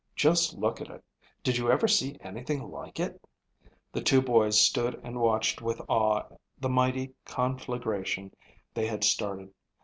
Just look at it. Did you ever see anything like it?" The two boys stood and watched with awe the mighty conflagration they had started.